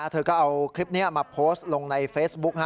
เธอก็เอาคลิปนี้มาโพสต์ลงในเฟซบุ๊ก